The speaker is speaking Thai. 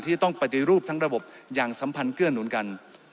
ที่ต้องปฏิรูปทั้งระบบอย่างสัมพันธ์เกื้อหนุนกัน